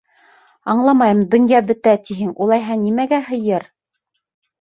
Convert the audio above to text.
— Аңламайым, донъя бөтә тиһең, улайһа нимәгә һыйыр?